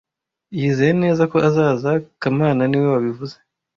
Yizeye neza ko azaza kamana niwe wabivuze